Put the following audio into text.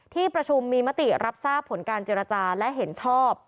ที่ประชุมมีมติรับทราบผลการเจรจาและเห็นชอบ